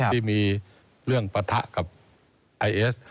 ที่มีเรื่องปะทะกับไอเอส